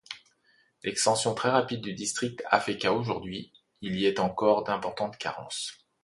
L'extension très rapide du district a fait qu'à aujourd'hui, elle ait encore d'importantes carences.